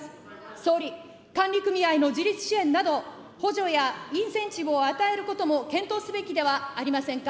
総理、管理組合の自立支援など、補助やインセンチブを与えることも検討すべきではありませんか。